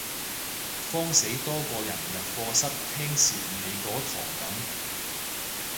慌死多個人入課室聽蝕你嗰堂噉